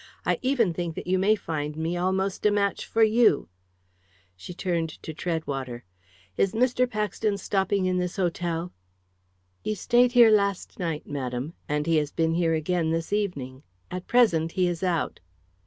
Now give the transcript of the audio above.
I even think that you may find me almost a match for you." She turned to Treadwater. "Is Mr. Paxton stopping in this hotel?" "He stayed here last night, madam. And he has been here again this evening. At present, he is out."